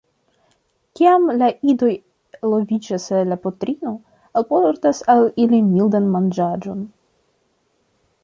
Kiam la idoj eloviĝas la patrino alportas al ili mildan manĝaĵon.